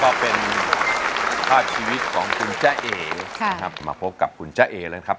แล้วก็เป็นภาพชีวิตของคุณเจ้าเอ๋มาพบกับคุณเจ้าเอ๋แล้วครับ